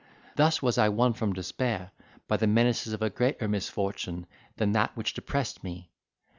Thus was I won from despair by the menaces of a greater misfortune than that which depressed me.